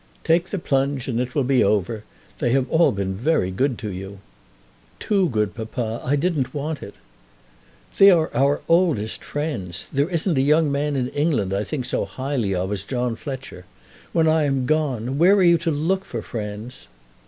"Take the plunge and it will be over. They have all been very good to you." "Too good, papa. I didn't want it." "They are our oldest friends. There isn't a young man in England I think so highly of as John Fletcher. When I am gone, where are you to look for friends?"